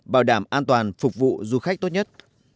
bảo đảm an toàn phục vụ du khách tốt nhất